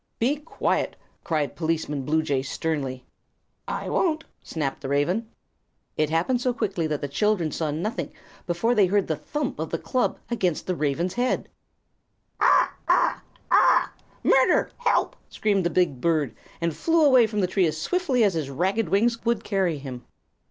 "Be quiet!" cried Policeman Bluejay, sternly. "I won't," snapped the raven. It happened so quickly that the children saw nothing before they heard the thump of the club against the raven's head. "Caw waw waw waw! Murder! Help!" screamed the big bird, and flew away from the tree as swiftly as his ragged wings would carry him.